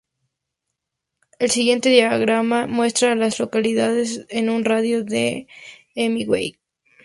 El siguiente diagrama muestra a las localidades en un radio de de Hemingway.